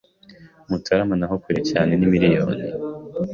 Mutarama naho kure cyane ni miliyoni